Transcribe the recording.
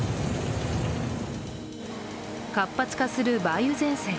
活発化する梅雨前線。